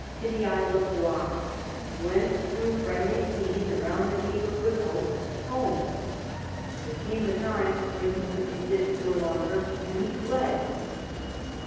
to the Isle of Guam, whence, through friendly seas and round the Cape of Good Hope, home. There came a time when he could resist no longer, and he fled.